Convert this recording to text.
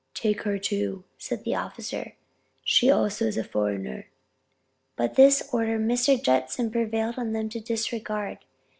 "Take her too," said the officer, "she also is a foreigner." But this order Mr. Judson prevailed on them to disregard.